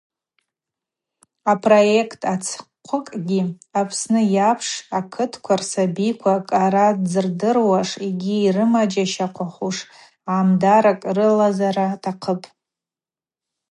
Апроект ацхъвыкӏгьи Апсны йапшым акытква рсабиква кӏара дзырдыруаш йгьи йрымаджьащахъвахуш амдаракӏ рылазара атахъыпӏ.